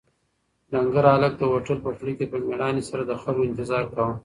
ډنکر هلک د هوټل په خوله کې په مېړانې سره د خلکو انتظار کاوه.